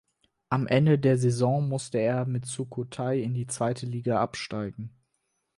Am Ende der Saison musste er mit Sukhothai in die Zweite Liga absteigen.